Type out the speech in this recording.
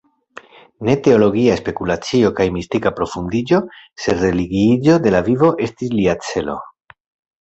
Ne teologia spekulacio kaj mistika profundiĝo, sed religiiĝo de la vivo estis lia celo.